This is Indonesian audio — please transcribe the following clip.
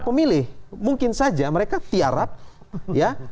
pemilih mungkin saja mereka tiarap ya